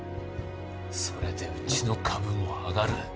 それでうちの株も上がる。